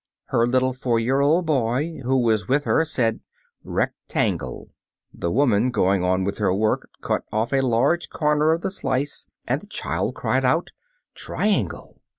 Her little four year old boy who was with her said, "Rectangle." The woman going on with her work cut off a large corner of the slice of bread, and the child cried out, "Triangle."